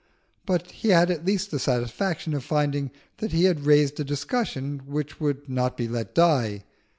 But he had at least the satisfaction of finding that he had raised a discussion which would not be let die.